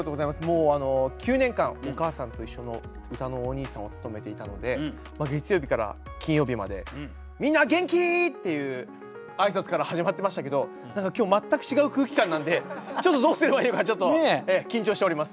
もう９年間「おかあさんといっしょ」のうたのおにいさんを務めていたので月曜日から金曜日まで「みんな元気？」っていう挨拶から始まってましたけど何か今日全く違う空気感なんでちょっとどうすればいいのかちょっと緊張しております。